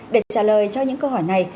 để trả lời cho những câu hỏi này